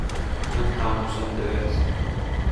ئەم قامووسەم دەوێت.